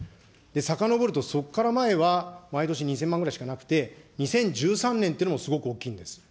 さかのぼると、そこから前は毎年２０００万ぐらいしかなくて、２０１３年というのもすごく大きいんですよ。